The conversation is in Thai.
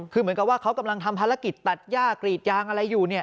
คือเหมือนกับว่าเขากำลังทำภารกิจตัดย่ากรีดยางอะไรอยู่เนี่ย